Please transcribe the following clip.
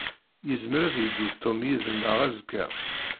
Yezmer ad yeddu Tom yid-neɣ azekka.